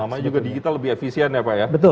namanya juga digital lebih efisien ya pak ya